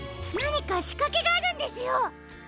なにかしかけがあるんですよ。